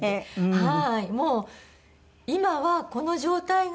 はい。